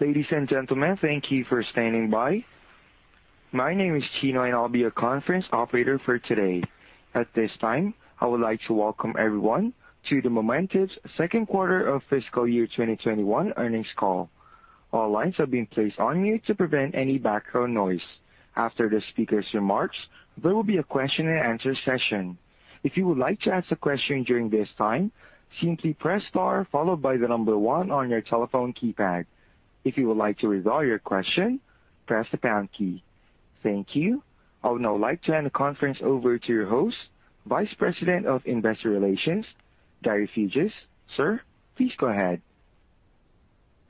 Ladies and gentlemen, thank you for standing by. My name is Chino, and I'll be your conference operator for today. At this time, I would like to welcome everyone to the Momentive Second Quarter of fiscal year 2021 earnings call. All lines have been placed on mute to prevent any background noise. After the speaker's remarks, there will be a question-and-answer session. If you would like to ask a question during this time, simply press star followed by the one on your telephone keypad. If you would like to withdraw your question, press the pound key. Thank you. I would now like to hand the conference over to your host, Vice President of Investor Relations, Gary J. Fuges. Sir, please go ahead.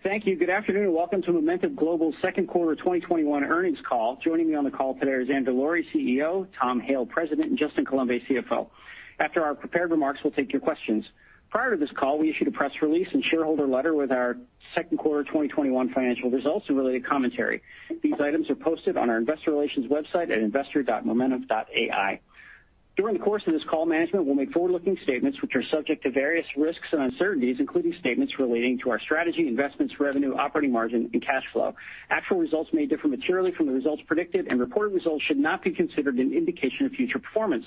Thank you. Good afternoon and welcome to Momentive Global Second Quarter 2021 Earnings Call. Joining me on the call today is Zander Lurie, CEO, Tom Hale, President, and Justin Coulombe, CFO. After our prepared remarks, we'll take your questions. Prior to this call, we issued a press release and shareholder letter with our second quarter 2021 financial results and related commentary. These items are posted on our investor relations website at investor.momentive.ai. During the course of this call, management will make forward-looking statements which are subject to various risks and uncertainties, including statements relating to our strategy, investments, revenue, operating margin, and cash flow. Actual results may differ materially from the results predicted, and reported results should not be considered an indication of future performance.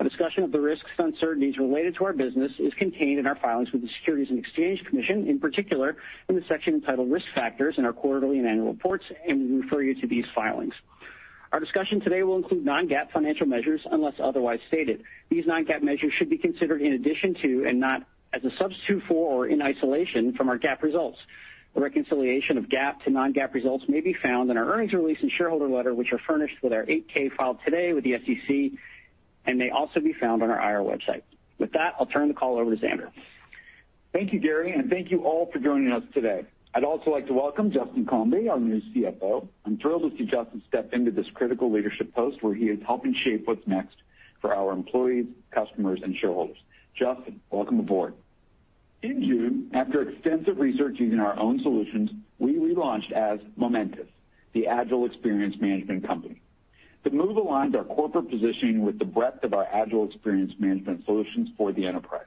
A discussion of the risks and uncertainties related to our business is contained in our filings with the Securities and Exchange Commission, in particular, in the section entitled Risk Factors in our quarterly and annual reports. We refer you to these filings. Our discussion today will include non-GAAP financial measures unless otherwise stated. These non-GAAP measures should be considered in addition to and not as a substitute for or in isolation from our GAAP results. A reconciliation of GAAP to non-GAAP results may be found in our earnings release and shareholder letter, which are furnished with our 8-K filed today with the SEC and may also be found on our IR website. With that, I'll turn the call over to Zander. Thank you, Gary, and thank you all for joining us today. I'd also like to welcome Justin Coulombe, our new CFO. I'm thrilled to see Justin step into this critical leadership post where he is helping shape what's next for our employees, customers, and shareholders. Justin, welcome aboard. In June, after extensive research using our own solutions, we relaunched as Momentive, the agile experience management company. The move aligned our corporate positioning with the breadth of our agile experience management solutions for the enterprise.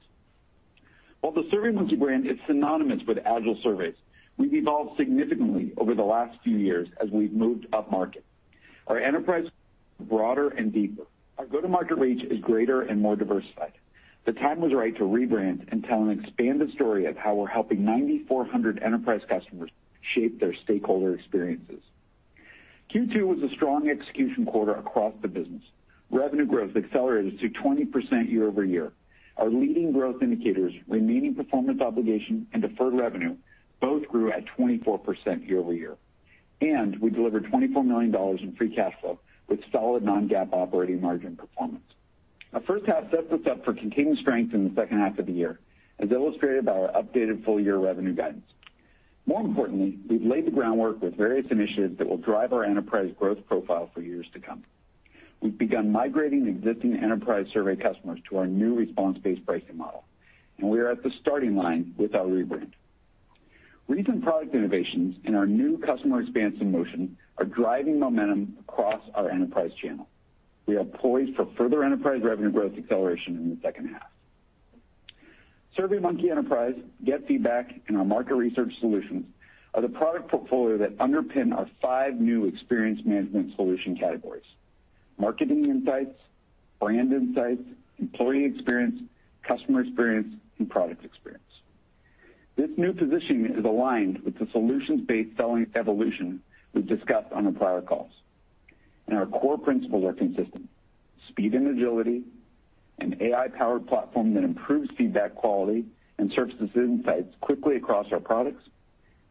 While the SurveyMonkey brand is synonymous with agile surveys, we've evolved significantly over the last few years as we've moved upmarket. Our enterprise broader and deeper. Our go-to-market reach is greater and more diversified. The time was right to rebrand and tell an expanded story of how we're helping 9,400 enterprise customers shape their stakeholder experiences. Q2 was a strong execution quarter across the business. Revenue growth accelerated to 20% year-over-year. Our leading growth indicators, remaining performance obligation and deferred revenue both grew at 24% year-over-year. We delivered $24 million in free cash flow with solid non-GAAP operating margin performance. Our first half sets us up for continued strength in the second half of the year, as illustrated by our updated full-year revenue guidance. More importantly, we've laid the groundwork with various initiatives that will drive our enterprise growth profile for years to come. We've begun migrating existing enterprise survey customers to our new response-based pricing model, and we are at the starting line with our rebrand. Recent product innovations and our new customer expansion motion are driving momentum across our enterprise channel. We are poised for further enterprise revenue growth acceleration in the second half. SurveyMonkey Enterprise, GetFeedback, and our market research solutions are the product portfolio that underpin our five new experience management solution categories, marketing insights, brand insights, employee experience, customer experience, and product experience. This new positioning is aligned with the solutions-based selling evolution we've discussed on our prior calls, and our core principles are consistent. Speed and agility, an AI-powered platform that improves feedback quality and surfaces insights quickly across our products,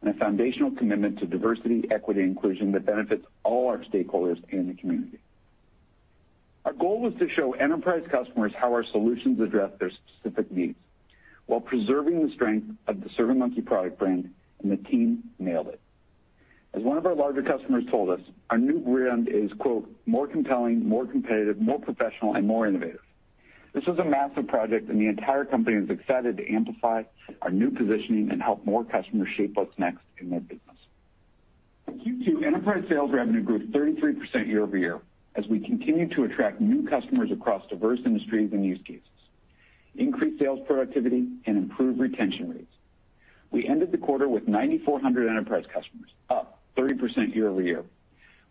and a foundational commitment to diversity, equity, inclusion that benefits all our stakeholders and the community. Our goal was to show enterprise customers how our solutions address their specific needs while preserving the strength of the SurveyMonkey product brand, and the team nailed it. As one of our larger customers told us, our new brand is "more compelling, more competitive, more professional, and more innovative." This was a massive project and the entire company is excited to amplify our new positioning and help more customers shape what's next in their business. Q2 enterprise sales revenue grew 33% year-over-year as we continued to attract new customers across diverse industries and use cases, increased sales productivity, and improved retention rates. We ended the quarter with 9,400 enterprise customers, up 30% year-over-year.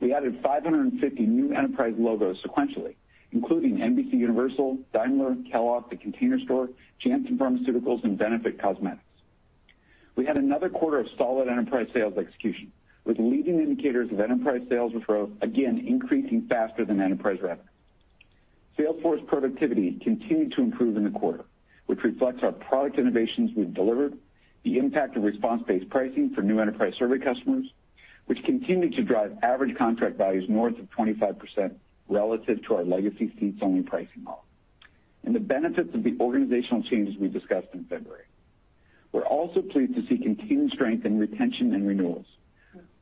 We added 550 new enterprise logos sequentially, including NBCUniversal, Daimler, Kellogg, The Container Store, Janssen Pharmaceuticals, and Benefit Cosmetics. We had another quarter of solid enterprise sales execution, with leading indicators of enterprise sales growth again increasing faster than enterprise revenue. Salesforce productivity continued to improve in the quarter, which reflects our product innovations we've delivered, the impact of response-based pricing for new enterprise survey customers, which continued to drive average contract values north of 25% relative to our legacy seats only pricing model, and the benefits of the organizational changes we discussed in February. We're also pleased to see continued strength in retention and renewals.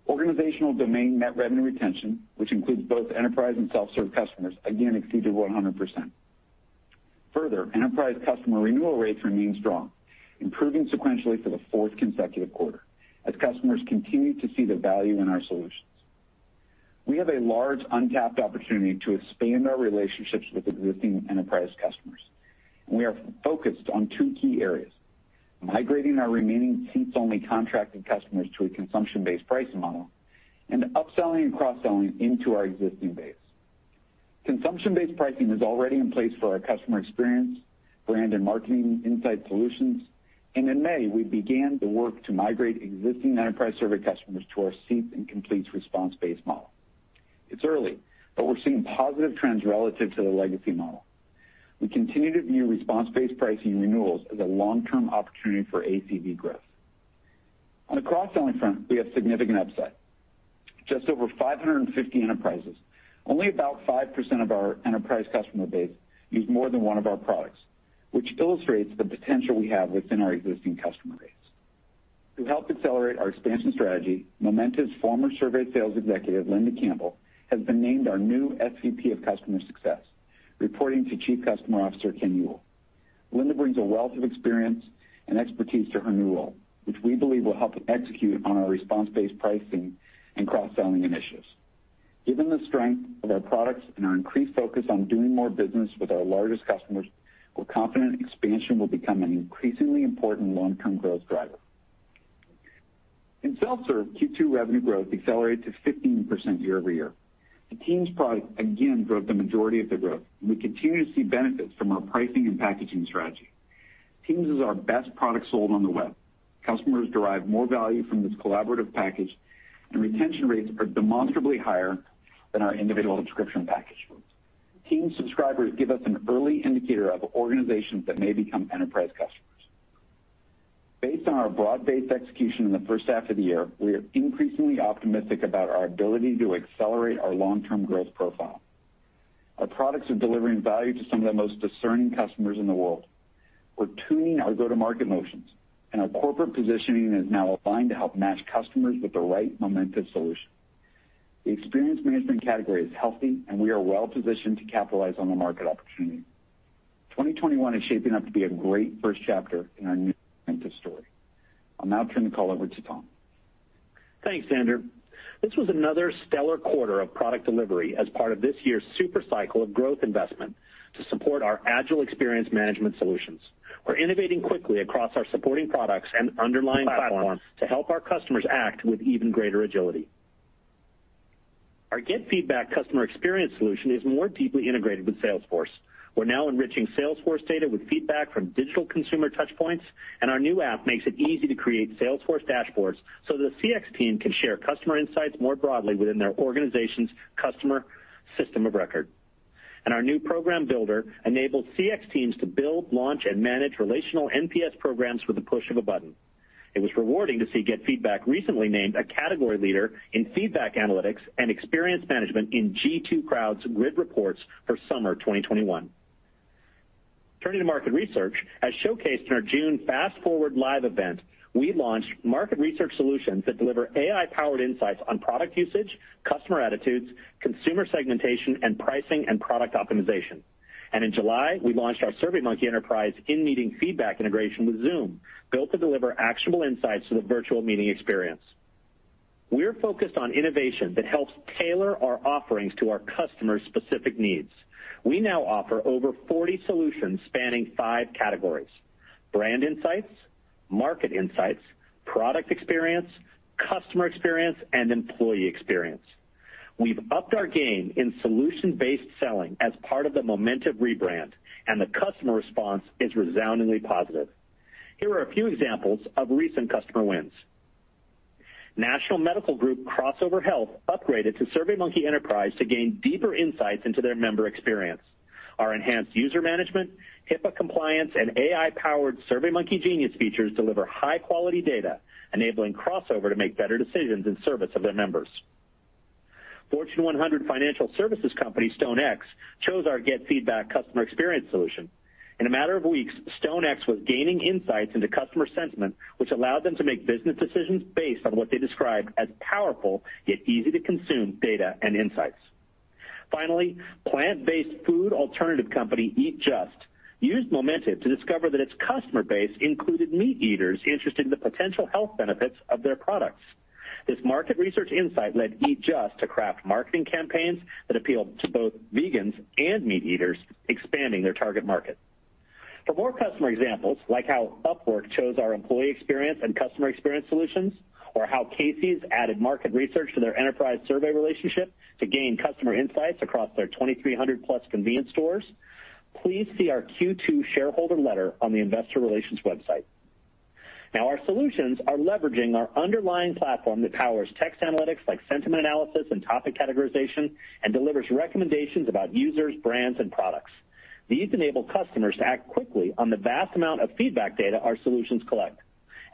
Organizational domain net revenue retention, which includes both enterprise and self-serve customers, again exceeded 100%. Enterprise customer renewal rates remain strong, improving sequentially for the fourth consecutive quarter as customers continue to see the value in our solutions. We have a large untapped opportunity to expand our relationships with existing enterprise customers. We are focused on two key areas, migrating our remaining seats-only contracted customers to a consumption-based pricing model and upselling and cross-selling into our existing base. Consumption-based pricing is already in place for our customer experience, brand and marketing insight solutions, and in May, we began the work to migrate existing enterprise survey customers to our seats and completes response-based model. It's early, but we're seeing positive trends relative to the legacy model. We continue to view response-based pricing renewals as a long-term opportunity for ACV growth. On the cross-selling front, we have significant upside. Just over 550 enterprises, only about 5% of our enterprise customer base use more than one of our products, which illustrates the potential we have within our existing customer base. To help accelerate our expansion strategy, Momentive's former survey sales executive, Linda Campbell, has been named our new SVP of Customer Success, reporting to Chief Customer Officer Ken Uhl. Linda brings a wealth of experience and expertise to her new role, which we believe will help execute on our response-based pricing and cross-selling initiatives. Given the strength of our products and our increased focus on doing more business with our largest customers, we're confident expansion will become an increasingly important long-term growth driver. In self-serve, Q2 revenue growth accelerated to 15% year-over-year. The Teams product again drove the majority of the growth, and we continue to see benefits from our pricing and packaging strategy. Teams is our best product sold on the web. Customers derive more value from this collaborative package, and retention rates are demonstrably higher than our individual subscription package groups. Teams subscribers give us an early indicator of organizations that may become enterprise customers. Based on our broad-based execution in the first half of the year, we are increasingly optimistic about our ability to accelerate our long-term growth profile. Our products are delivering value to some of the most discerning customers in the world. We're tuning our go-to-market motions, and our corporate positioning is now aligned to help match customers with the right Momentive solution. The experience management category is healthy, and we are well-positioned to capitalize on the market opportunity. 2021 is shaping up to be a great first chapter in our new Momentive story. I'll now turn the call over to Tom. Thanks, Zander. This was another stellar quarter of product delivery as part of this year's super cycle of growth investment to support our agile experience management solutions. We're innovating quickly across our supporting products and underlying platform to help our customers act with even greater agility. Our GetFeedback customer experience solution is more deeply integrated with Salesforce. We're now enriching Salesforce data with feedback from digital consumer touch points, and our new app makes it easy to create Salesforce dashboards so the CX team can share customer insights more broadly within their organization's customer system of record. Our new program builder enables CX teams to build, launch, and manage relational NPS programs with the push of a button. It was rewarding to see GetFeedback recently named a category leader in feedback analytics and experience management in G2 Crowd's grid reports for summer 2021. Turning to market research, as showcased in our June Fast Forward live event, we launched market research solutions that deliver AI-powered insights on product usage, customer attitudes, consumer segmentation, and pricing and product optimization. In July, we launched our SurveyMonkey Enterprise in-meeting feedback integration with Zoom, built to deliver actionable insights to the virtual meeting experience. We're focused on innovation that helps tailor our offerings to our customers' specific needs. We now offer over 40 solutions spanning five categories, brand insights, market insights, product experience, customer experience, and employee experience. We've upped our game in solution-based selling as part of the Momentive rebrand, and the customer response is resoundingly positive. Here are a few examples of recent customer wins. National medical group Crossover Health upgraded to SurveyMonkey Enterprise to gain deeper insights into their member experience. Our enhanced user management, HIPAA compliance, and AI-powered SurveyMonkey Genius features deliver high-quality data, enabling Crossover to make better decisions in service of their members. Fortune 100 financial services company, StoneX, chose our GetFeedback customer experience solution. In a matter of weeks, StoneX was gaining insights into customer sentiment, which allowed them to make business decisions based on what they described as powerful, yet easy to consume data and insights. Finally, plant-based food alternative company, Eat Just, used Momentive to discover that its customer base included meat eaters interested in the potential health benefits of their products. This market research insight led Eat Just to craft marketing campaigns that appeal to both vegans and meat eaters, expanding their target market. For more customer examples, like how Upwork chose our employee experience and customer experience solutions, or how Casey's added market research to their enterprise survey relationship to gain customer insights across their 2,300+ convenience stores, please see our Q2 shareholder letter on the investor relations website. Now, our solutions are leveraging our underlying platform that powers text analytics, like sentiment analysis and topic categorization, and delivers recommendations about users, brands, and products. These enable customers to act quickly on the vast amount of feedback data our solutions collect.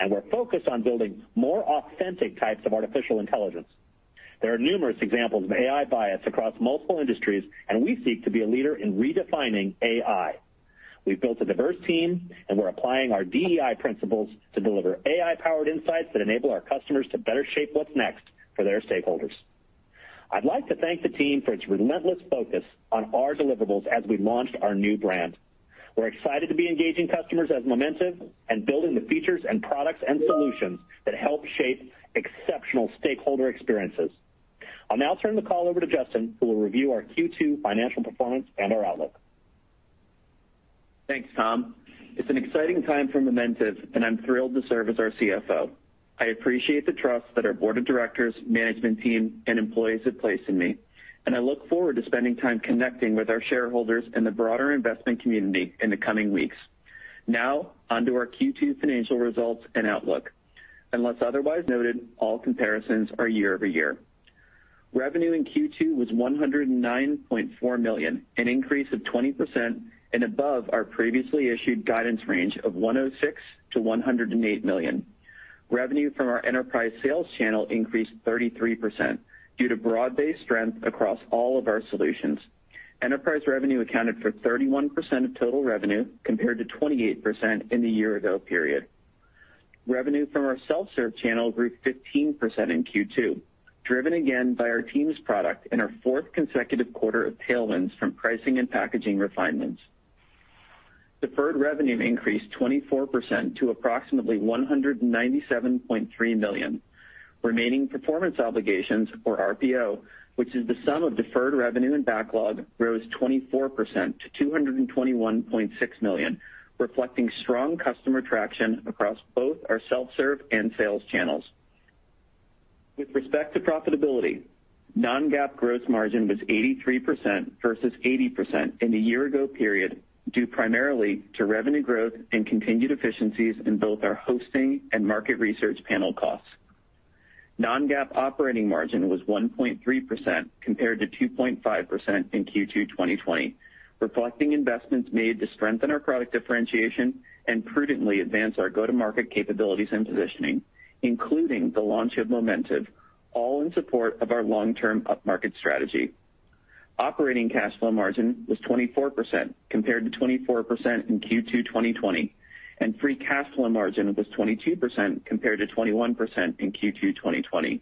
We're focused on building more authentic types of artificial intelligence. There are numerous examples of AI bias across multiple industries, and we seek to be a leader in redefining AI. We've built a diverse team, and we're applying our DEI principles to deliver AI-powered insights that enable our customers to better shape what's next for their stakeholders. I'd like to thank the team for its relentless focus on our deliverables as we launched our new brand. We're excited to be engaging customers as Momentive and building the features and products and solutions that help shape exceptional stakeholder experiences. I'll now turn the call over to Justin, who will review our Q2 financial performance and our outlook. Thanks, Tom. It's an exciting time for Momentive, I'm thrilled to serve as our CFO. I appreciate the trust that our board of directors, management team, and employees have placed in me, I look forward to spending time connecting with our shareholders and the broader investment community in the coming weeks. On to our Q2 financial results and outlook. Unless otherwise noted, all comparisons are year-over-year. Revenue in Q2 was $109.4 million, an increase of 20% above our previously issued guidance range of $106 million-$108 million. Revenue from our enterprise sales channel increased 33% due to broad-based strength across all of our solutions. Enterprise revenue accounted for 31% of total revenue, compared to 28% in the year-ago period. Revenue from our self-serve channel grew 15% in Q2, driven again by our team's product and our fourth consecutive quarter of tailwinds from pricing and packaging refinements. Deferred revenue increased 24% to approximately $197.3 million. Remaining performance obligations, or RPO, which is the sum of deferred revenue and backlog, rose 24% to $221.6 million, reflecting strong customer traction across both our self-serve and sales channels. With respect to profitability, non-GAAP gross margin was 83% versus 80% in the year-ago period, due primarily to revenue growth and continued efficiencies in both our hosting and market research panel costs. Non-GAAP operating margin was 1.3%, compared to 2.5% in Q2 2020, reflecting investments made to strengthen our product differentiation and prudently advance our go-to-market capabilities and positioning, including the launch of Momentive, all in support of our long-term upmarket strategy. Operating cash flow margin was 24%, compared to 24% in Q2 2020, and free cash flow margin was 22%, compared to 21% in Q2 2020.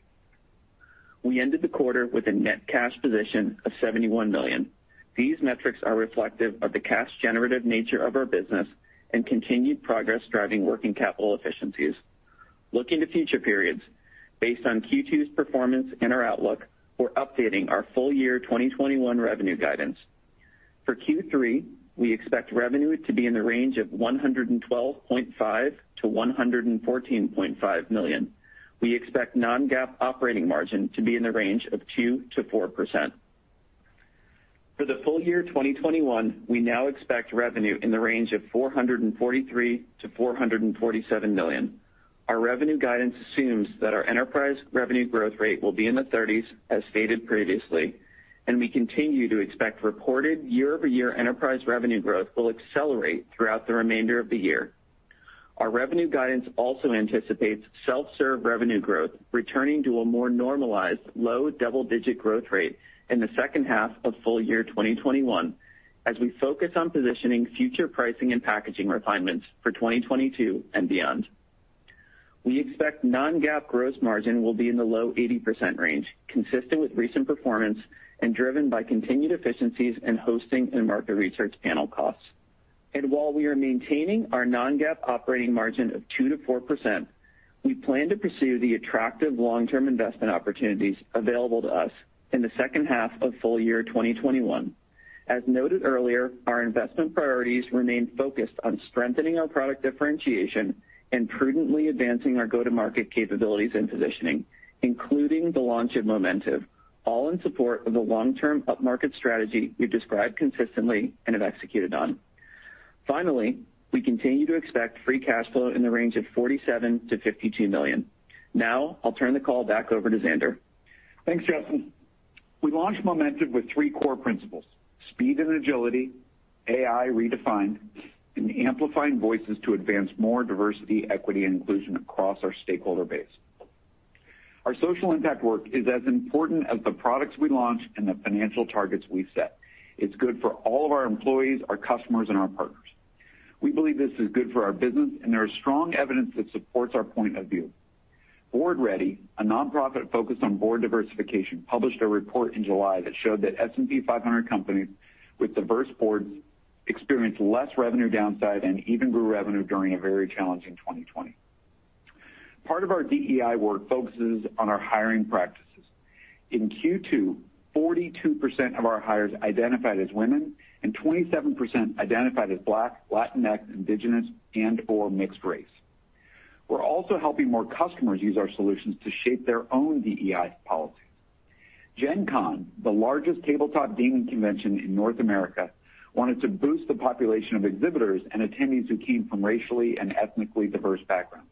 We ended the quarter with a net cash position of $71 million. These metrics are reflective of the cash generative nature of our business and continued progress driving working capital efficiencies. Looking to future periods, based on Q2's performance and our outlook, we're updating our full year 2021 revenue guidance. For Q3, we expect revenue to be in the range of $112.5 million-$114.5 million. We expect non-GAAP operating margin to be in the range of 2%-4%. For the full year 2021, we now expect revenue in the range of $443 million-$447 million. Our revenue guidance assumes that our enterprise revenue growth rate will be in the 30%s, as stated previously, and we continue to expect reported year-over-year enterprise revenue growth will accelerate throughout the remainder of the year. Our revenue guidance also anticipates self-serve revenue growth, returning to a more normalized low double-digit growth rate in the second half of full year 2021, as we focus on positioning future pricing and packaging refinements for 2022 and beyond. We expect non-GAAP gross margin will be in the low 80% range, consistent with recent performance and driven by continued efficiencies in hosting and market research panel costs. While we are maintaining our non-GAAP operating margin of 2%-4%, we plan to pursue the attractive long-term investment opportunities available to us in the second half of full year 2021. As noted earlier, our investment priorities remain focused on strengthening our product differentiation and prudently advancing our go-to-market capabilities and positioning, including the launch of Momentive, all in support of the long-term upmarket strategy we've described consistently and have executed on. Finally, we continue to expect free cash flow in the range of $47 million-$52 million. Now, I'll turn the call back over to Zander. Thanks, Justin. We launched Momentive with three core principles, speed and agility, AI redefined, and amplifying voices to advance more diversity, equity, and inclusion across our stakeholder base. Our social impact work is as important as the products we launch and the financial targets we set. It's good for all of our employees, our customers, and our partners. We believe this is good for our business, and there is strong evidence that supports our point of view. BoardReady, a nonprofit focused on board diversification, published a report in July that showed that S&P 500 companies with diverse boards experienced less revenue downside and even grew revenue during a very challenging 2020. Part of our DEI work focuses on our hiring practices. In Q2, 42% of our hires identified as women and 27% identified as Black, Latinx, Indigenous, and/or mixed race. We're also helping more customers use our solutions to shape their own DEI policies. Gen Con, the largest tabletop gaming convention in North America, wanted to boost the population of exhibitors and attendees who came from racially and ethnically diverse backgrounds.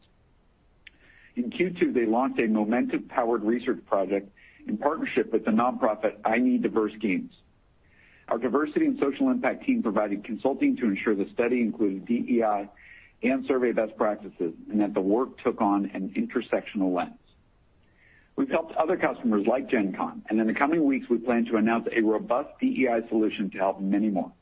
In Q2, they launched a Momentive-powered research project in partnership with the nonprofit I Need Diverse Games. Our diversity and social impact team provided consulting to ensure the study included DEI and survey best practices and that the work took on an intersectional lens. We've helped other customers like Gen Con, and in the coming weeks, we plan to announce a robust DEI solution to help many more.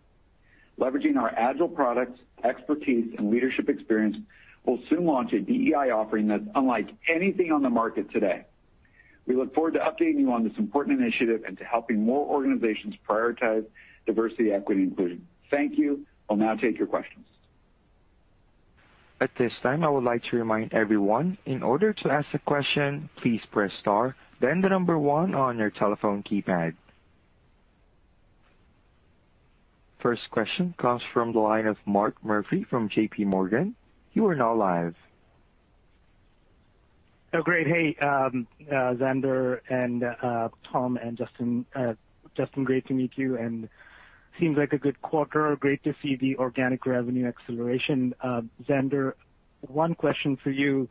Leveraging our agile products, expertise, and leadership experience, we'll soon launch a DEI offering that's unlike anything on the market today. We look forward to updating you on this important initiative and to helping more organizations prioritize diversity, equity, inclusion. Thank you. I'll now take your questions. At this time, I would like to remind everyone, in order to ask a question, please press star, then the number one on your telephone keypad. First question comes from the line of Mark Murphy from JP Morgan. You are now live. Oh, great. Hey, Zander and Tom and Justin. Justin, great to meet you, and seems like a good quarter. Great to see the organic revenue acceleration. Zander, one question for you.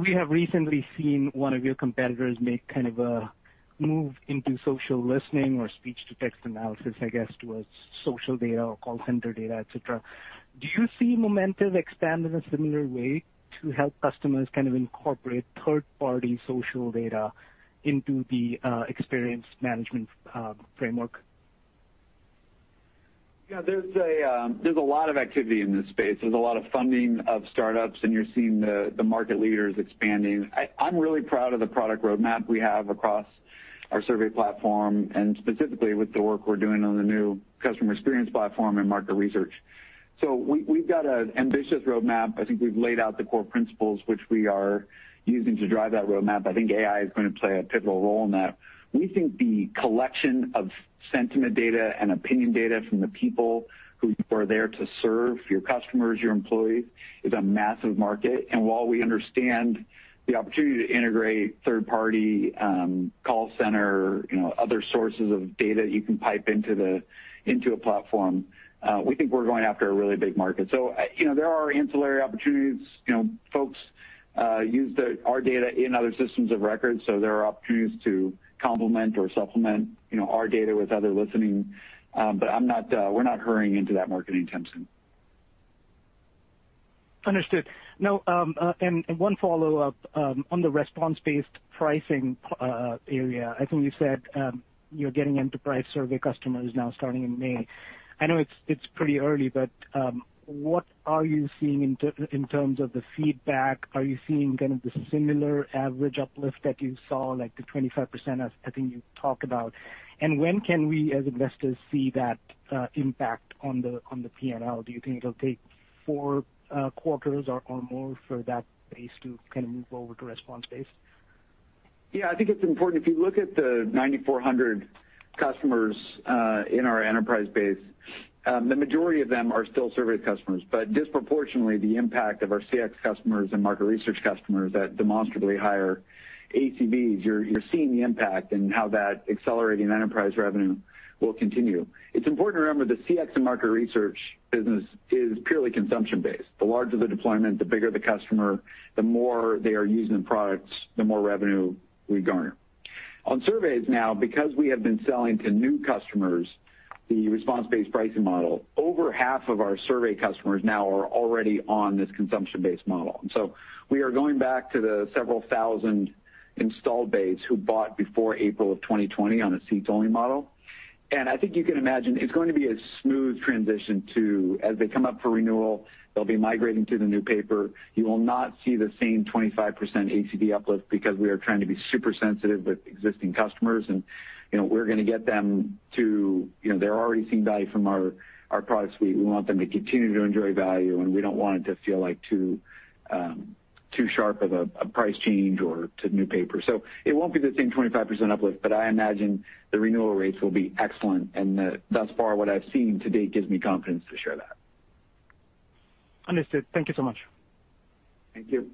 We have recently seen one of your competitors make kind of a move into social listening or speech-to-text analysis, I guess, towards social data or call center data, et cetera. Do you see Momentive expand in a similar way to help customers kind of incorporate third-party social data into the experience management framework? Yeah, there's a lot of activity in this space. There's a lot of funding of startups, and you're seeing the market leaders expanding. I'm really proud of the product roadmap we have across our survey platform and specifically with the work we're doing on the new customer experience platform and market research. We've got an ambitious roadmap. I think we've laid out the core principles which we are using to drive that roadmap. I think AI is going to play a pivotal role in that. We think the collection of sentiment data and opinion data from the people who are there to serve your customers, your employees, is a massive market. While we understand the opportunity to integrate third-party call center, other sources of data that you can pipe into a platform, we think we're going after a really big market. There are ancillary opportunities. Folks use our data in other systems of record, there are opportunities to complement or supplement our data with other listening. We're not hurrying into that market any time soon. Understood. Now, one follow-up, on the response-based pricing area, I think you said, you're getting enterprise survey customers now starting in May. I know it's pretty early, but what are you seeing in terms of the feedback? Are you seeing kind of the similar average uplift that you saw, like the 25%, I think you talked about? When can we, as investors, see that impact on the P&L? Do you think it'll take four quarters or more for that base to kind of move over to response base? I think it's important. If you look at the 9,400 customers in our enterprise base, the majority of them are still survey customers, but disproportionately the impact of our CX customers and market research customers at demonstrably higher ACVs, you're seeing the impact and how that accelerating enterprise revenue will continue. It's important to remember the CX and market research business is purely consumption-based. The larger the deployment, the bigger the customer, the more they are using the products, the more revenue we garner. On surveys now, because we have been selling to new customers the response-based pricing model, over half of our survey customers now are already on this consumption-based model. We are going back to the several thousand installed base who bought before April of 2020 on a seats-only model. I think you can imagine it's going to be a smooth transition to, as they come up for renewal, they'll be migrating to the new paper. You will not see the same 25% ACV uplift because we are trying to be super sensitive with existing customers, and they're already seeing value from our products. We want them to continue to enjoy value, and we don't want it to feel like too sharp of a price change or to new paper. It won't be the same 25% uplift, but I imagine the renewal rates will be excellent, and thus far what I've seen to date gives me confidence to share that. Understood. Thank you so much. Thank you.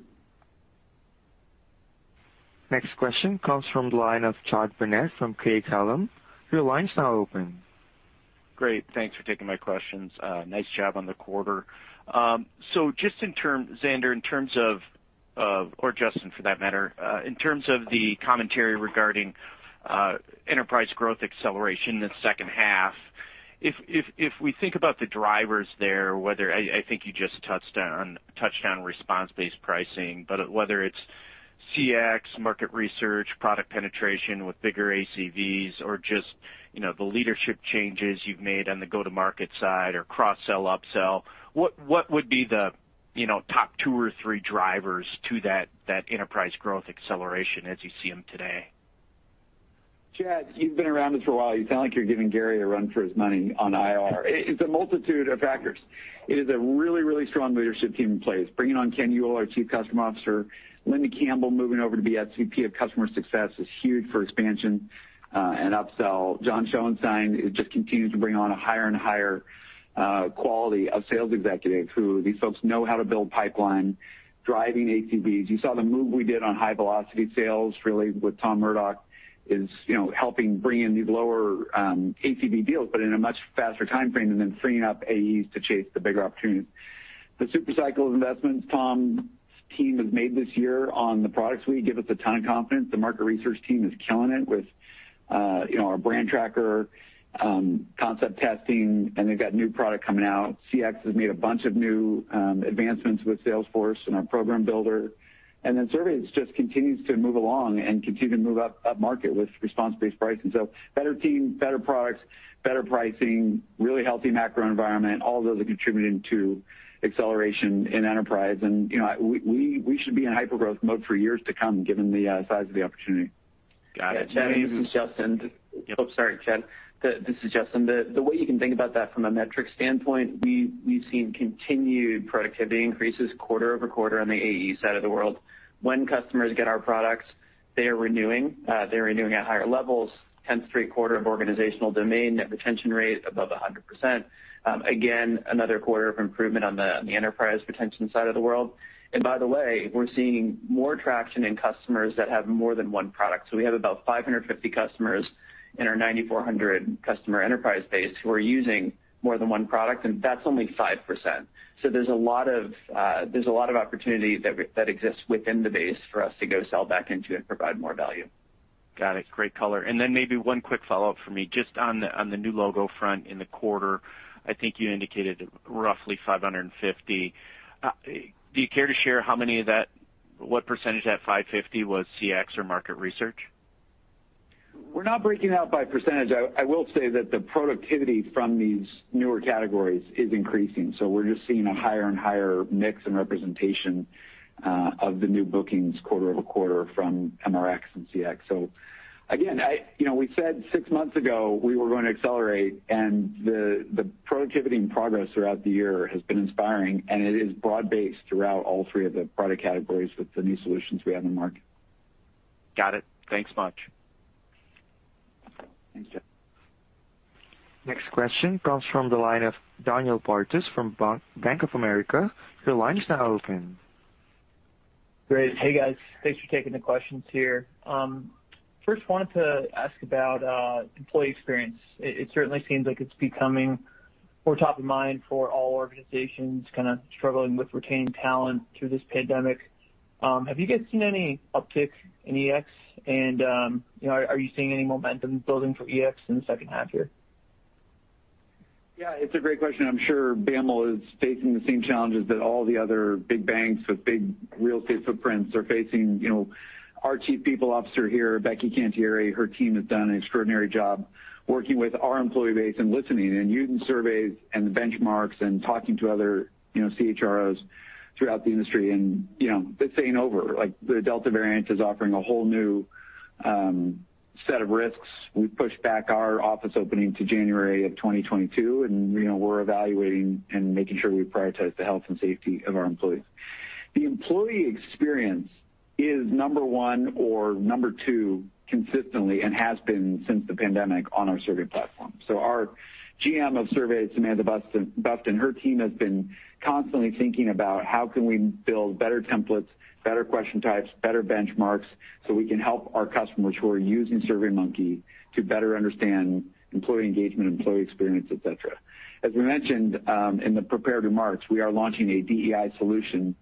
Next question comes from the line of Chad Bernack from KeyBanc. Your line's now open. Great. Thanks for taking my questions. Nice job on the quarter. Just in term, Zander, or Justin for that matter, in terms of the commentary regarding enterprise growth acceleration in the second half, if we think about the drivers there, I think you just touched on response-based pricing, but whether it's CX, market research, product penetration with bigger ACVs or just the leadership changes you've made on the go-to-market side or cross-sell, upsell, what would be the top two or three drivers to that enterprise growth acceleration as you see them today? Chad, you've been around us for a while. You sound like you're giving Gary a run for his money on IR. It's a multitude of factors. It is a really, really strong leadership team in place. Bringing on Ken Uhl, our Chief Customer Officer, Linda Campbell moving over to be SVP of Customer Success is huge for expansion and upsell. John Schoenstein just continues to bring on a higher and higher quality of sales executives who these folks know how to build pipeline, driving ACVs. You saw the move we did on high-velocity sales really with Tom Murdock is helping bring in these lower ACV deals, but in a much faster timeframe, and then freeing up AEs to chase the bigger opportunities. The super cycle investments Tom's team has made this year on the products suite give us a ton of confidence. The market research team is killing it with our brand tracker, concept testing, and they've got new product coming out. CX has made a bunch of new advancements with Salesforce and our program builder. Surveys just continues to move along and continue to move up market with response-based pricing. Better team, better products, better pricing, really healthy macro environment. All of those are contributing to acceleration in enterprise, and we should be in hyper-growth mode for years to come given the size of the opportunity. Got it. Yeah, Chad, this is Justin. Yep. Oh, sorry, Chad. This is Justin. The way you can think about that from a metrics standpoint, we've seen continued productivity increases quarter-over-quarter on the AE side of the world. When customers get our products, they are renewing. They're renewing at higher levels, 10th straight quarter of organizational domain net retention rate above 100%. Again, another quarter of improvement on the enterprise retention side of the world. By the way, we're seeing more traction in customers that have more than one product. We have about 550 customers in our 9,400 customer enterprise base who are using more than one product, and that's only 5%. There's a lot of opportunity that exists within the base for us to go sell back into and provide more value. Got it. Great color. Maybe one quick follow-up from me, just on the new logo front in the quarter, I think you indicated roughly 550. Do you care to share how many of that, what percentage of that 550 was CX or market research? We're not breaking out by percentage. I will say that the productivity from these newer categories is increasing. We're just seeing a higher and higher mix and representation of the new bookings quarter-over-quarter from MRX and CX. Again, we said six months ago, we were going to accelerate, and the productivity and progress throughout the year has been inspiring, and it is broad-based throughout all three of the product categories with the new solutions we have in the market. Got it. Thanks much. Thanks, Chad. Next question comes from the line of Daniel Paris from Bank of America. Your line is now open. Great. Hey, guys. Thanks for taking the questions here. First, wanted to ask about employee experience. It certainly seems like it is becoming more top of mind for all organizations kind of struggling with retaining talent through this pandemic. Have you guys seen any uptick in EX, and are you seeing any momentum building for EX in the second half here? Yeah, it's a great question. I'm sure BAML is facing the same challenges that all the other big banks with big real estate footprints are facing. Our Chief People Officer here, Becky Cantieri, her team has done an extraordinary job working with our employee base and listening and using surveys and the benchmarks and talking to other CHROs throughout the industry. This ain't over. The Delta variant is offering a whole new set of risks. We've pushed back our office opening to January of 2022, and we're evaluating and making sure we prioritize the health and safety of our employees. The employee experience is number one or number two consistently and has been since the pandemic on our survey platform. Our GM of Surveys, Amanda Bufton, her team has been constantly thinking about how can we build better templates, better question types, better benchmarks so we can help our customers who are using SurveyMonkey to better understand employee engagement, employee experience, et cetera. As we mentioned in the prepared remarks, we are launching a DEI solution,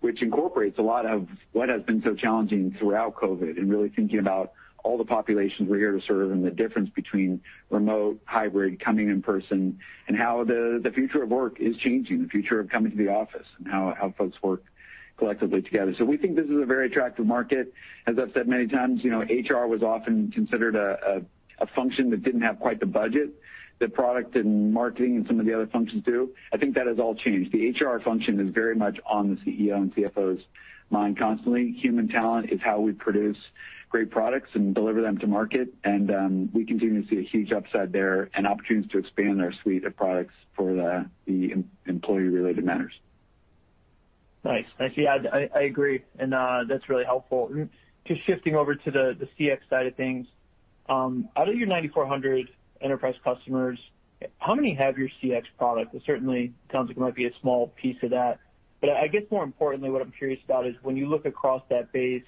which incorporates a lot of what has been so challenging throughout COVID and really thinking about all the populations we're here to serve and the difference between remote, hybrid, coming in person, and how the future of work is changing, the future of coming to the office, and how folks work collectively together. We think this is a very attractive market. As I've said many times, HR was often considered a function that didn't have quite the budget that product and marketing and some of the other functions do. I think that has all changed. The HR function is very much on the CEO and CFO's mind constantly. Human talent is how we produce great products and deliver them to market, and we continue to see a huge upside there and opportunities to expand our suite of products for the employee-related matters. Nice. Yeah, I agree, and that's really helpful. Just shifting over to the CX side of things. Out of your 9,400 enterprise customers, how many have your CX product? It certainly sounds like it might be a small piece of that. I guess more importantly, what I'm curious about is when you look across that base,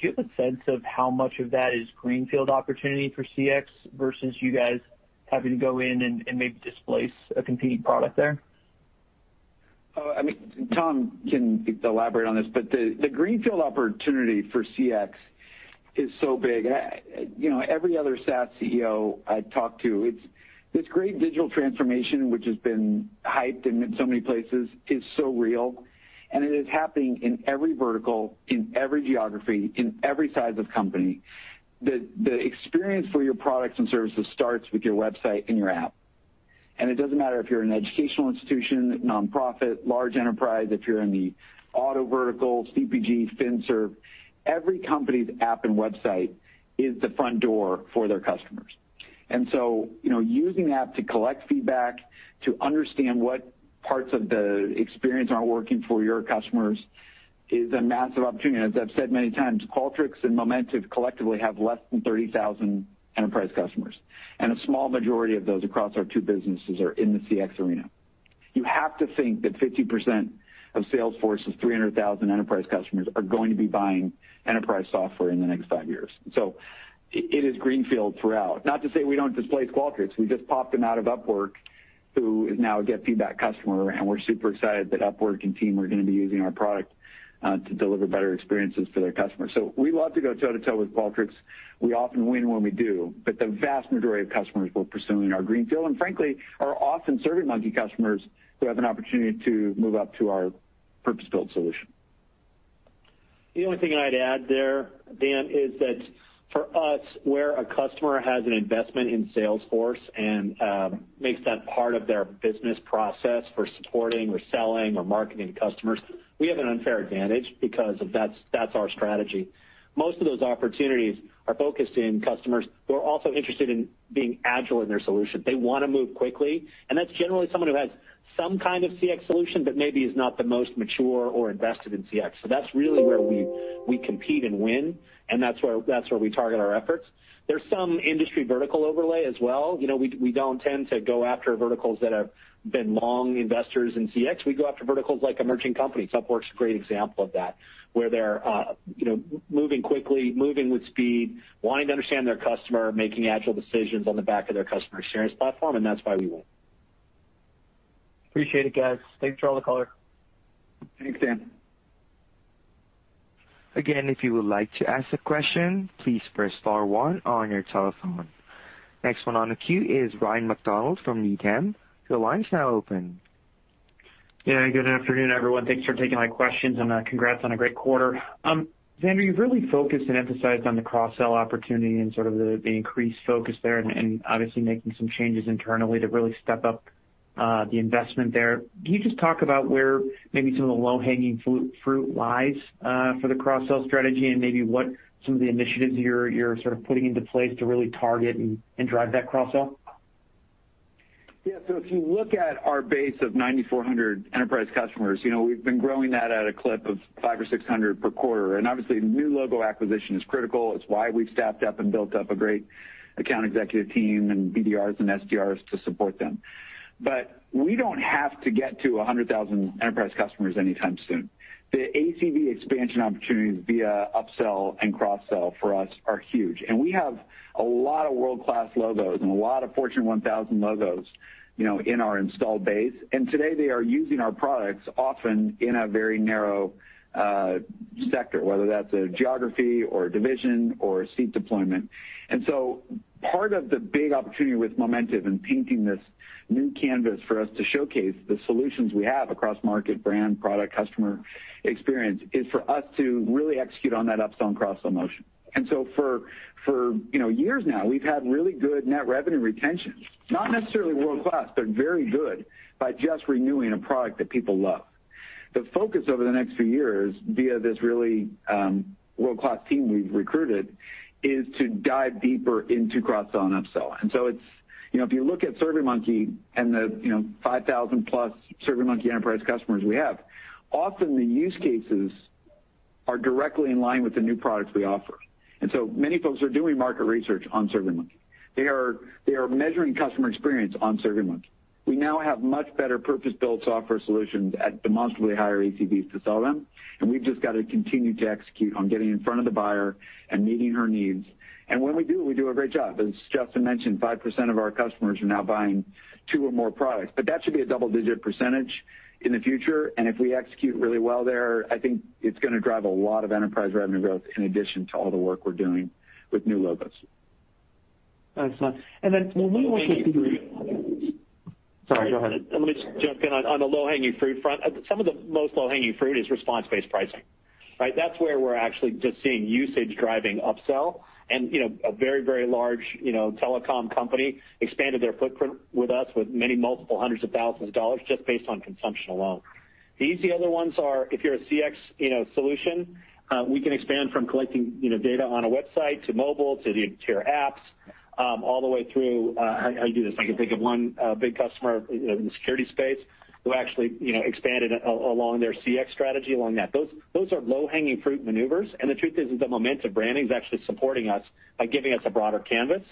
do you have a sense of how much of that is greenfield opportunity for CX versus you guys having to go in and maybe displace a competing product there? Tom can elaborate on this, but the greenfield opportunity for CX is so big. Every other SaaS CEO I talk to, this great digital transformation, which has been hyped in so many places, is so real, and it is happening in every vertical, in every geography, in every size of company. The experience for your products and services starts with your website and your app. It doesn't matter if you're an educational institution, nonprofit, large enterprise, if you're in the auto vertical, CPG, FinServe. Every company's app and website is the front door for their customers. Using the app to collect feedback, to understand what parts of the experience aren't working for your customers is a massive opportunity. As I've said many times, Qualtrics and Momentive collectively have less than 30,000 enterprise customers, and a small majority of those across our two businesses are in the CX arena. You have to think that 50% of Salesforce's 300,000 enterprise customers are going to be buying enterprise software in the next five years. It is greenfield throughout. Not to say we don't displace Qualtrics. We just popped them out of Upwork, who is now a GetFeedback customer, and we're super excited that Upwork and team are going to be using our product to deliver better experiences for their customers. We love to go toe to toe with Qualtrics. We often win when we do, but the vast majority of customers we're pursuing are greenfield, and frankly, are often SurveyMonkey customers who have an opportunity to move up to our purpose-built solution. The only thing I'd add there, Dan, is that for us, where a customer has an investment in Salesforce and makes that part of their business process for supporting or selling or marketing to customers, we have an unfair advantage because that's our strategy. Most of those opportunities are focused in customers who are also interested in being agile in their solution. They want to move quickly. That's generally someone who has some kind of CX solution, but maybe is not the most mature or invested in CX. That's really where we compete and win. That's where we target our efforts. There's some industry vertical overlay as well. We don't tend to go after verticals that have been long investors in CX. We go after verticals like emerging companies. Upwork's a great example of that, where they're moving quickly, moving with speed, wanting to understand their customer, making agile decisions on the back of their customer experience platform. That's why we win. Appreciate it, guys. Thanks for all the color. Thanks, Dan. Again, if you would like to ask a question, please press star one on your telephone. Next one on the queue is Ryan MacDonald from Needham. Your line is now open. Good afternoon, everyone. Thanks for taking my questions, and congrats on a great quarter. Zander, you've really focused and emphasized on the cross-sell opportunity and sort of the increased focus there and obviously making some changes internally to really step up the investment there. Can you just talk about where maybe some of the low-hanging fruit lies for the cross-sell strategy and maybe what some of the initiatives you're sort of putting into place to really target and drive that cross-sell? If you look at our base of 9,400 enterprise customers, we've been growing that at a clip of 500 or 600 per quarter, and obviously new logo acquisition is critical. It's why we've staffed up and built up a great account executive team and BDRs and SDRs to support them. We don't have to get to 100,000 enterprise customers anytime soon. The ACV expansion opportunities via upsell and cross-sell for us are huge, and we have a lot of world-class logos and a lot of Fortune 1000 logos in our installed base. Today they are using our products often in a very narrow sector, whether that's a geography or division or a seat deployment. Part of the big opportunity with Momentive and painting this new canvas for us to showcase the solutions we have across market, brand, product, customer experience is for us to really execute on that upsell and cross-sell motion. For years now, we've had really good net revenue retention. Not necessarily world-class, but very good by just renewing a product that people love. The focus over the next few years, via this really world-class team we've recruited, is to dive deeper into cross-sell and upsell. If you look at SurveyMonkey and the 5,000+ SurveyMonkey Enterprise customers we have, often the use cases are directly in line with the new products we offer. Many folks are doing market research on SurveyMonkey. They are measuring customer experience on SurveyMonkey. We now have much better purpose-built software solutions at demonstrably higher ACVs to sell them. We've just got to continue to execute on getting in front of the buyer and meeting her needs. When we do, we do a great job. As Justin mentioned, 5% of our customers are now buying two or more products. That should be a double-digit percentage in the future, and if we execute really well there, I think it's going to drive a lot of enterprise revenue growth in addition to all the work we're doing with new logos. Excellent. Let me just. Sorry, go ahead. Let me just jump in. On the low-hanging fruit front, some of the most low-hanging fruit is response-based pricing, right? That's where we're actually just seeing usage driving upsell. A very large telecom company expanded their footprint with us with many multiple hundreds of thousands of dollars just based on consumption alone. The easier ones are if you're a CX solution, we can expand from collecting data on a website to mobile, to your apps, all the way through. I do this, I can think of one big customer in the security space who actually expanded along their CX strategy along that. Those are low-hanging fruit maneuvers, and the truth is that Momentive branding is actually supporting us by giving us a broader canvas,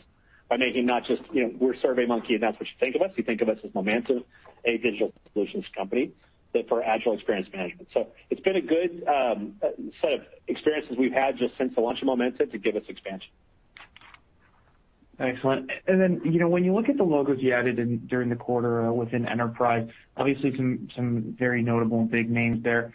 by making not just, we're SurveyMonkey, and that's what you think of us. You think of us as Momentive, a digital solutions company, but for agile experience management. It's been a good set of experiences we've had just since the launch of Momentive to give us expansion. Excellent. When you look at the logos you added in during the quarter within enterprise, obviously some very notable and big names there.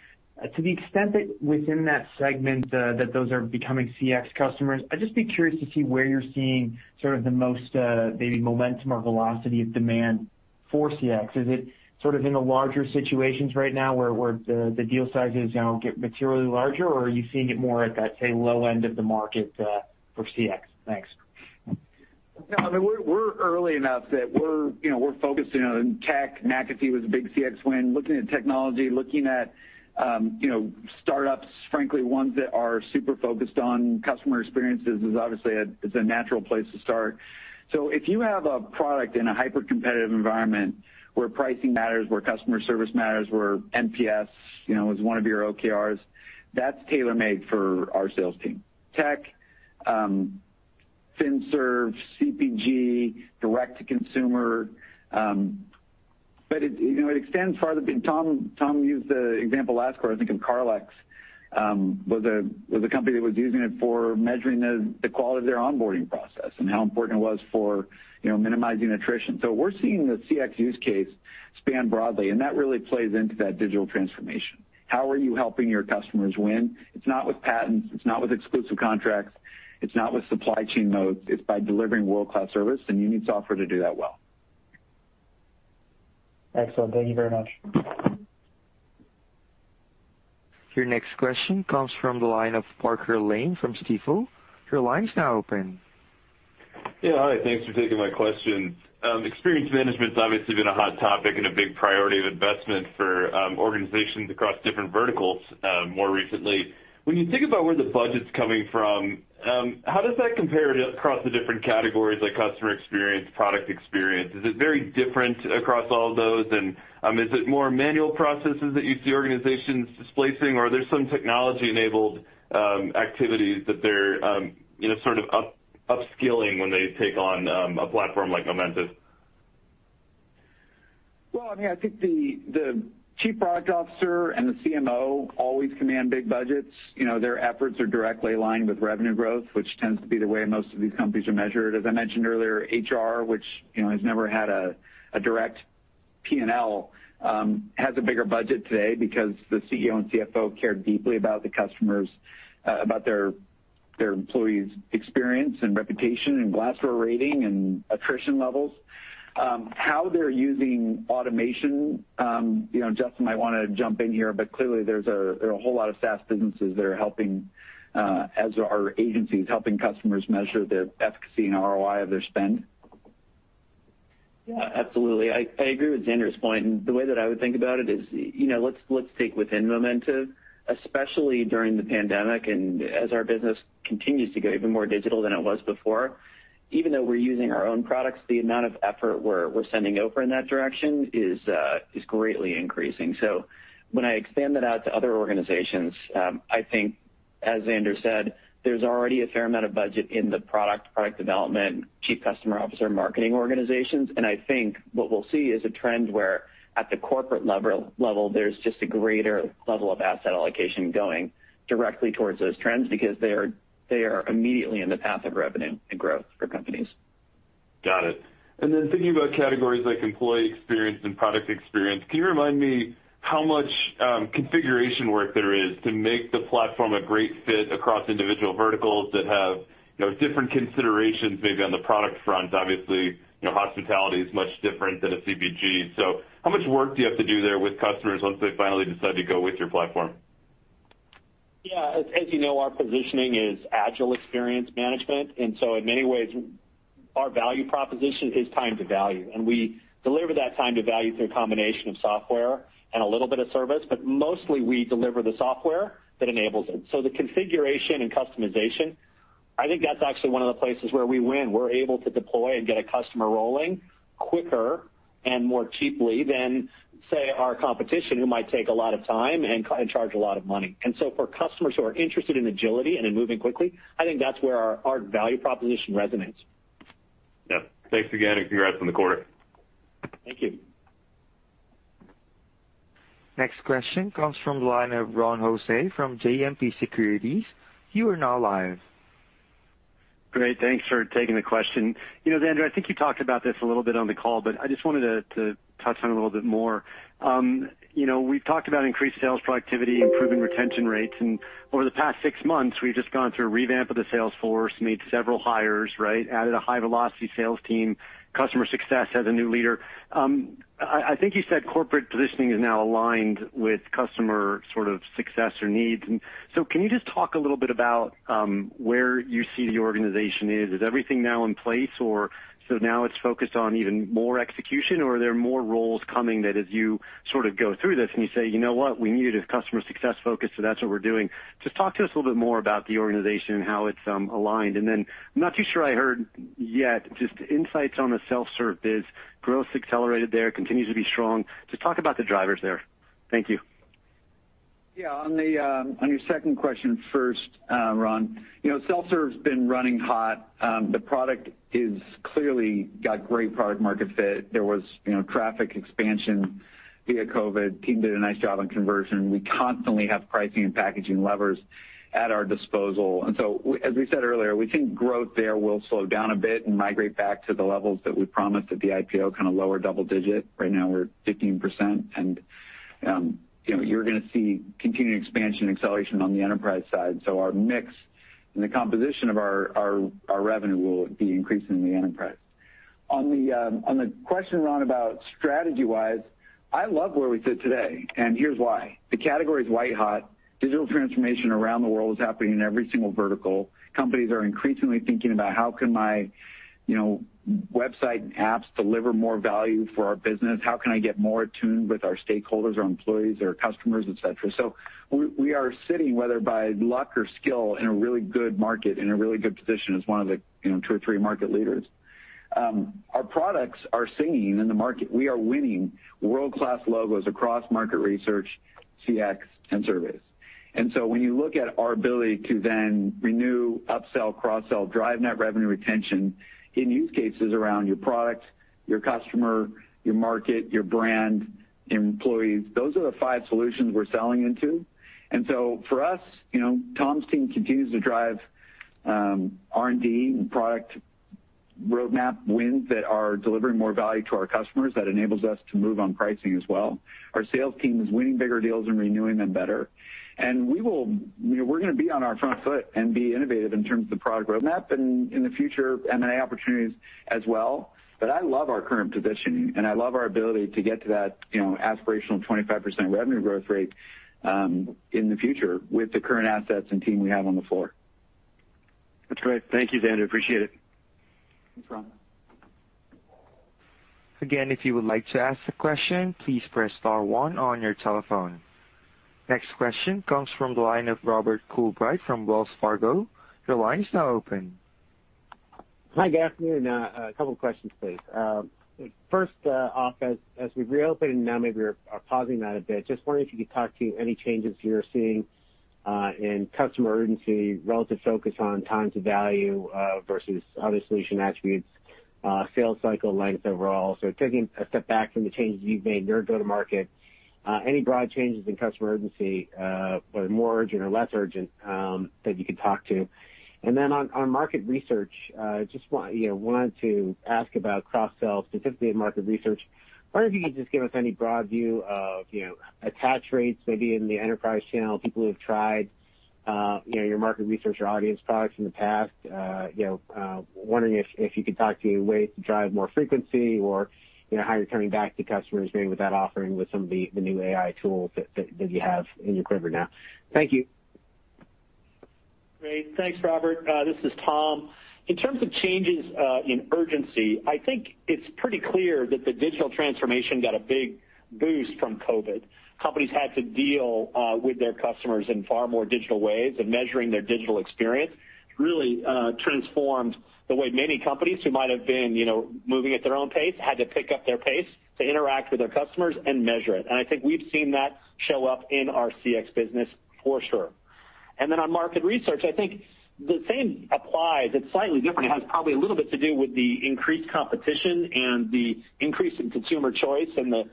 To the extent that within that segment that those are becoming CX customers, I'd just be curious to see where you're seeing sort of the most, maybe momentum or velocity of demand for CX. Is it sort of in the larger situations right now where the deal sizes get materially larger, or are you seeing it more at that, say, low end of the market for CX? Thanks. No, we're early enough that we're focusing on tech. McAfee was a big CX win. Looking at technology, looking at startups, frankly, ones that are super focused on customer experiences is obviously a natural place to start. If you have a product in a hyper-competitive environment where pricing matters, where customer service matters, where NPS is one of your OKRs, that's tailor-made for our sales team. Tech, FinServe, CPG, direct to consumer, it extends farther. Tom used the example last quarter, I think, of Carlex was a company that was using it for measuring the quality of their onboarding process and how important it was for minimizing attrition. We're seeing the CX use case span broadly, and that really plays into that digital transformation. How are you helping your customers win? It's not with patents, it's not with exclusive contracts, it's not with supply chain modes. It's by delivering world-class service, and you need software to do that well. Excellent. Thank you very much. Your next question comes from the line of Parker Lane from Stifel. Your line is now open. Yeah. Hi, thanks for taking my question. Experience management's obviously been a hot topic and a big priority of investment for organizations across different verticals more recently. When you think about where the budget's coming from, how does that compare across the different categories, like customer experience, product experience? Is it very different across all of those? And is it more manual processes that you see organizations displacing, or are there some technology-enabled activities that they're upskilling when they take on a platform like Momentive? Well, I think the chief product officer and the CMO always command big budgets. Their efforts are directly aligned with revenue growth, which tends to be the way most of these companies are measured. As I mentioned earlier, HR, which has never had a direct P&L, has a bigger budget today because the CEO and CFO care deeply about the customers, about their employees' experience and reputation and Glassdoor rating and attrition levels. How they're using automation, Justin might want to jump in here, but clearly there are a whole lot of SaaS businesses that are helping, as are our agencies, helping customers measure their efficacy and ROI of their spend. Absolutely. I agree with Zander's point, and the way that I would think about it is, let's take within Momentive, especially during the pandemic, and as our business continues to go even more digital than it was before, even though we're using our own products, the amount of effort we're sending over in that direction is greatly increasing. When I expand that out to other organizations, I think as Zander said, there's already a fair amount of budget in the product development, chief customer officer, marketing organizations, and I think what we'll see is a trend where at the corporate level, there's just a greater level of asset allocation going directly towards those trends because they are immediately in the path of revenue and growth for companies. Got it. Thinking about categories like employee experience and product experience, can you remind me how much configuration work there is to make the platform a great fit across individual verticals that have different considerations maybe on the product front? Obviously, hospitality is much different than a CPG, how much work do you have to do there with customers once they finally decide to go with your platform? Yeah. As you know, our positioning is agile experience management. In many ways, our value proposition is time to value, and we deliver that time to value through a combination of software and a little bit of service. Mostly we deliver the software that enables it. The configuration and customization, I think that's actually one of the places where we win. We're able to deploy and get a customer rolling quicker and more cheaply than, say, our competition, who might take a lot of time and charge a lot of money. For customers who are interested in agility and in moving quickly, I think that's where our value proposition resonates. Yeah. Thanks again, and congrats on the quarter. Thank you. Next question comes from the line of Ronald Josey from JMP Securities. You are now live. Great. Thanks for taking the question. Zander, I think you talked about this a little bit on the call. I just wanted to touch on it a little bit more. We've talked about increased sales productivity, improving retention rates. Over the past six months, we've just gone through a revamp of the sales force, made several hires, right? Added a high-velocity sales team. Customer success has a new leader. I think you said corporate positioning is now aligned with customer sort of success or needs. Can you just talk a little bit about where you see the organization is? Is everything now in place, or now it's focused on even more execution, or are there more roles coming that as you sort of go through this? We needed a customer success focus, that's what we're doing. Talk to us a little bit more about the organization and how it's aligned. I'm not too sure I heard yet, just insights on the self-serve biz. Growth's accelerated there, continues to be strong. Talk about the drivers there. Thank you. On your second question first, Ron. Self-serve's been running hot. The product is clearly got great product market fit. There was traffic expansion via COVID. Team did a nice job on conversion. We constantly have pricing and packaging levers at our disposal. As we said earlier, we think growth there will slow down a bit and migrate back to the levels that we promised at the IPO, kind of lower double digit. Right now, we're 15%, and you're going to see continued expansion and acceleration on the enterprise side. Our mix and the composition of our revenue will be increasing in the enterprise. On the question, Ron, about strategy-wise, I love where we sit today, and here's why. The category's white hot. Digital transformation around the world is happening in every single vertical. Companies are increasingly thinking about how can my website and apps deliver more value for our business? How can I get more in tune with our stakeholders, our employees, our customers, etc. We are sitting, whether by luck or skill, in a really good market, in a really good position as one of the two or three market leaders. Our products are singing in the market. We are winning world-class logos across market research, CX, and service. When you look at our ability to then renew, upsell, cross-sell, drive net revenue retention in use cases around your product, your customer, your market, your brand, employees, those are the five solutions we're selling into. For us, Tom's team continues to drive R&D and product Roadmap wins that are delivering more value to our customers that enables us to move on pricing as well. Our sales team is winning bigger deals and renewing them better. We're going to be on our front foot and be innovative in terms of the product roadmap and in the future M&A opportunities as well. I love our current positioning, and I love our ability to get to that aspirational 25% revenue growth rate in the future with the current assets and team we have on the floor. That's great. Thank you, Zander. Appreciate it. No problem. Again, if you would like to ask a question, please press star one on your telephone. Next question comes from the line of Robert Coolbrith from Wells Fargo. Your line is now open. Hi, good afternoon. A couple questions, please. First off, as we reopen now, maybe we're pausing that a bit. Just wondering if you could talk to any changes you're seeing in customer urgency, relative focus on time to value versus other solution attributes, sales cycle length overall. Taking a step back from the changes you've made in your go-to market, any broad changes in customer urgency, whether more urgent or less urgent, that you could talk to? On market research, just wanted to ask about cross-sell, specifically in market research. Wondering if you could just give us any broad view of attach rates, maybe in the enterprise channel, people who have tried your market research or audience products in the past. Wondering if you could talk to ways to drive more frequency or how you're turning back to customers maybe with that offering, with some of the new AI tools that you have in your quiver now. Thank you. Great. Thanks, Robert. This is Tom. In terms of changes in urgency, I think it's pretty clear that the digital transformation got a big boost from COVID. Companies had to deal with their customers in far more digital ways, and measuring their digital experience really transformed the way many companies who might have been moving at their own pace, had to pick up their pace to interact with their customers and measure it. I think we've seen that show up in our CX business for sure. On market research, I think the same applies. It's slightly different. It has probably a little bit to do with the increased competition and the increase in consumer choice and the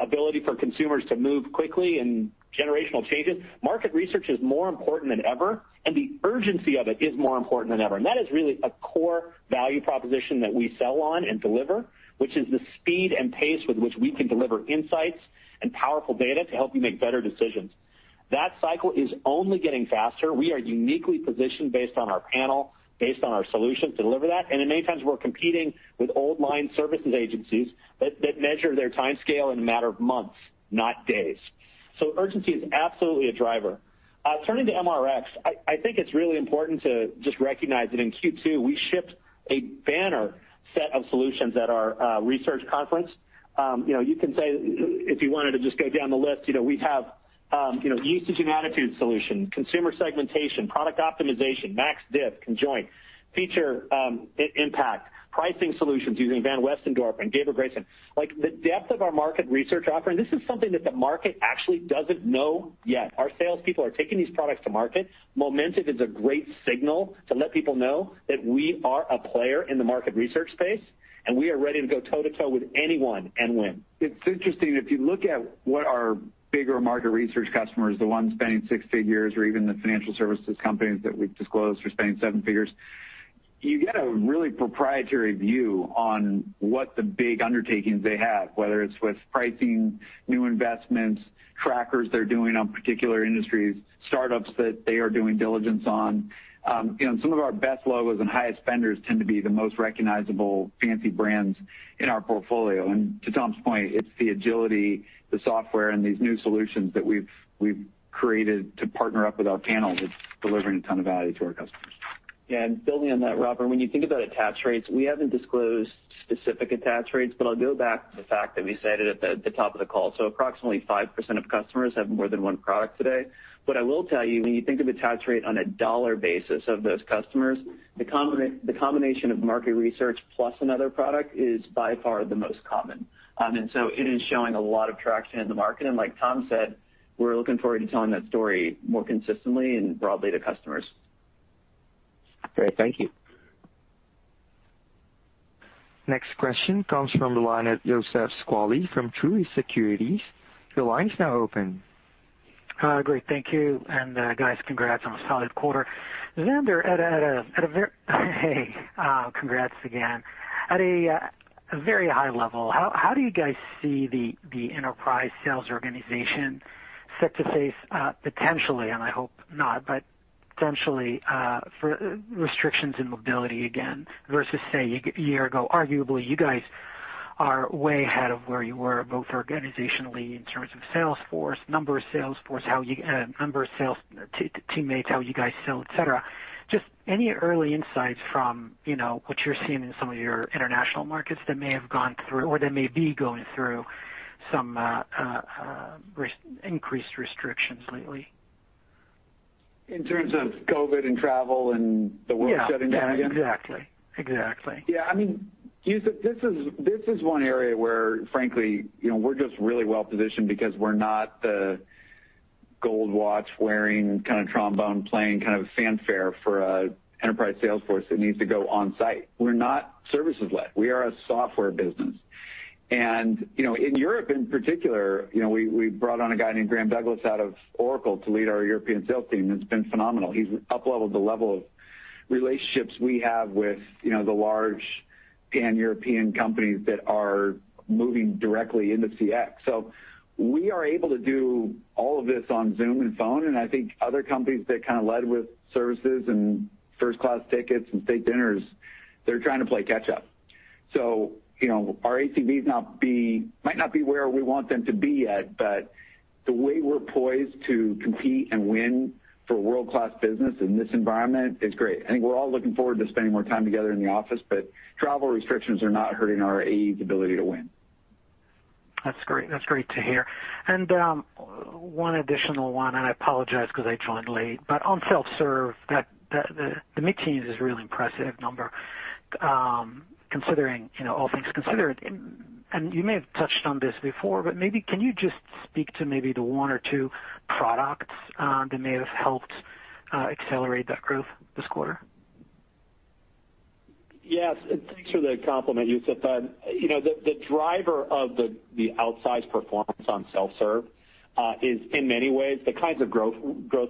ability for consumers to move quickly and generational changes. Market research is more important than ever, and the urgency of it is more important than ever. That is really a core value proposition that we sell on and deliver, which is the speed and pace with which we can deliver insights and powerful data to help you make better decisions. That cycle is only getting faster. We are uniquely positioned based on our panel, based on our solution to deliver that. In many times, we're competing with old line services agencies that measure their timescale in a matter of months, not days. Urgency is absolutely a driver. Turning to MRX, I think it's really important to just recognize that in Q2, we shipped a banner set of solutions at our research conference. You can say if you wanted to just go down the list, we have usage and attitude solution, consumer segmentation, product optimization, MaxDiff, conjoint, feature impact, pricing solutions using Van Westendorp and Gabor-Granger. The depth of our market research offering, this is something that the market actually doesn't know yet. Our salespeople are taking these products to market. Momentive is a great signal to let people know that we are a player in the market research space, and we are ready to go toe-to-toe with anyone and win. It's interesting. If you look at what our bigger market research customers, the ones spending six figures or even the financial services companies that we've disclosed are spending seven figures, you get a really proprietary view on what the big undertakings they have, whether it's with pricing, new investments, trackers they're doing on particular industries, startups that they are doing diligence on. Some of our best logos and highest spenders tend to be the most recognizable fancy brands in our portfolio. To Tom's point, it's the agility, the software, and these new solutions that we've created to partner up with our panel that's delivering a ton of value to our customers. Yeah, building on that, Robert, when you think about attach rates, we haven't disclosed specific attach rates, but I'll go back to the fact that we said it at the top of the call. Approximately 5% of customers have more than one product today. What I will tell you, when you think of attach rate on a dollar basis of those customers, the combination of market research plus another product is by far the most common. It is showing a lot of traction in the market. Like Tom said, we're looking forward to telling that story more consistently and broadly to customers. Great. Thank you. Next question comes from the line of Youssef Squali from Truist Securities. Your line is now open. Great. Thank you. guys, congrats on a solid quarter. Zander, hey congrats again. At a very high level, how do you guys see the enterprise sales organization set to face potentially, and I hope not, but potentially restrictions in mobility again versus, say, a year ago? Arguably, you guys are way ahead of where you were both organizationally in terms of sales force, number of sales force, number of sales teammates, how you guys sell, et cetera. Just any early insights from what you're seeing in some of your international markets that may have gone through or that may be going through some increased restrictions lately? In terms of COVID and travel and the world shutting down again? Yeah. Exactly. Yeah. Youssef, this is one area where, frankly, we're just really well-positioned because we're not the gold watch-wearing, trombone-playing kind of fanfare for an enterprise sales force that needs to go on-site. We're not services-led. We are a software business. In Europe in particular, we brought on a guy named Graham Douglas out of Oracle to lead our European sales team, and it's been phenomenal. He's up-leveled the level of relationships we have with the large Pan-European companies that are moving directly into CX. We are able to do all of this on Zoom and phone, and I think other companies that led with services and first-class tickets and state dinners, they're trying to play catch up. Our ACV might not be where we want them to be yet, but the way we're poised to compete and win for world-class business in this environment is great. I think we're all looking forward to spending more time together in the office, but travel restrictions are not hurting our AE's ability to win. That's great to hear. One additional one, and I apologize because I joined late, but on self-serve, the mid-teens is a really impressive number all things considered. You may have touched on this before, but maybe can you just speak to maybe the one or two products that may have helped accelerate that growth this quarter? Yes. Thanks for the compliment, Youssef. The driver of the outsized performance on self-serve is in many ways the kinds of growth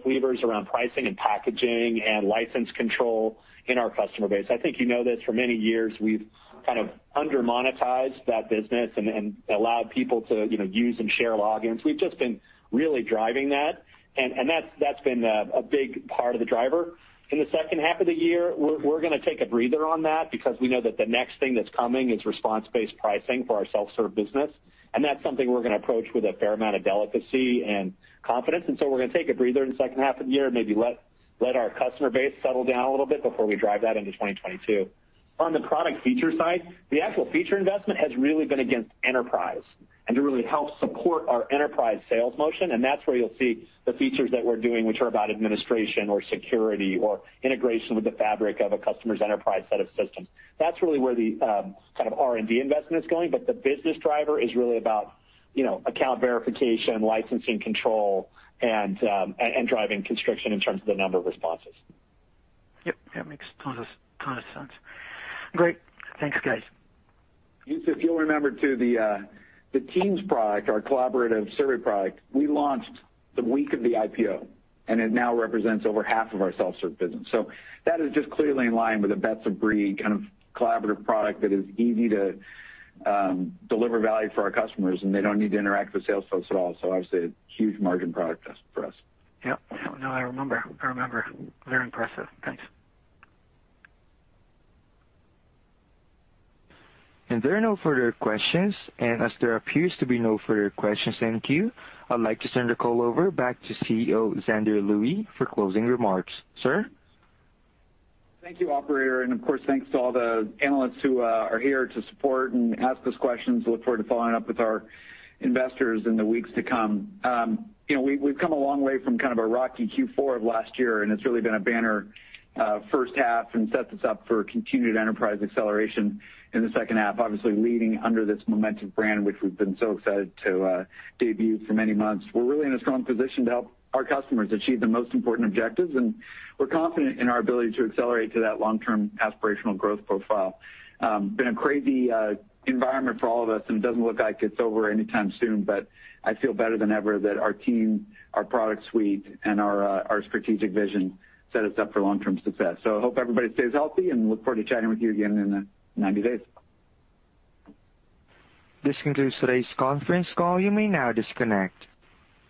levers around pricing and packaging and license control in our customer base. I think you know this, for many years, we've kind of under-monetized that business and allowed people to use and share logins. We've just been really driving that, and that's been a big part of the driver. In the second half of the year, we're going to take a breather on that because we know that the next thing that's coming is response-based pricing for our self-serve business, and that's something we're going to approach with a fair amount of delicacy and confidence. we're going to take a breather in the second half of the year, maybe let our customer base settle down a little bit before we drive that into 2022. On the product feature side, the actual feature investment has really been against enterprise and to really help support our enterprise sales motion, and that's where you'll see the features that we're doing, which are about administration or security or integration with the fabric of a customer's enterprise set of systems. That's really where the R&D investment is going. The business driver is really about account verification, licensing control, and driving constriction in terms of the number of responses. Yep. That makes ton of sense. Great. Thanks, guys. Youssef, you'll remember, too, the Teams product, our collaborative survey product, we launched the week of the IPO, and it now represents over half of our self-serve business. That is just clearly in line with the best of breed, kind of collaborative product that is easy to deliver value for our customers, and they don't need to interact with sales folks at all. Obviously a huge margin product test for us. Yep. No, I remember. Very impressive. Thanks. There are no further questions, and as there appears to be no further questions in queue, I'd like to turn the call over back to CEO, Zander Lurie, for closing remarks. Sir? Thank you, operator, and of course, thanks to all the analysts who are here to support and ask us questions. We look forward to following up with our investors in the weeks to come. We've come a long way from kind of a rocky Q4 of last year, and it's really been a banner first half and sets us up for continued enterprise acceleration in the second half. Obviously leading under this Momentive brand, which we've been so excited to debut for many months. We're really in a strong position to help our customers achieve their most important objectives, and we're confident in our ability to accelerate to that long-term aspirational growth profile. Been a crazy environment for all of us, and it doesn't look like it's over anytime soon, but I feel better than ever that our team, our product suite, and our strategic vision set us up for long-term success. I hope everybody stays healthy and look forward to chatting with you again in 90 days. This concludes today's conference call. You may now disconnect.